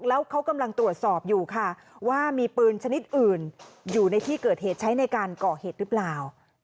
แล้วเขากำลังตรวจสอบอยู่ค่ะว่ามีปืนชนิดอื่นอยู่ในที่เกิดเหตุใช้ในการก่อเหตุหรือเปล่า